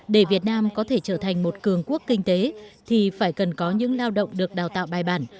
để việt nam có thể trở thành một cường quốc kinh tế thì phải cần có những lao động được đào tạo bài bản